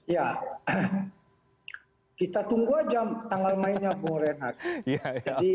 ya kita tunggu aja tanggal mainnya bung reinhardt